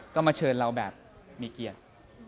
ก็มาเชิญเราแบบมีเกียรติ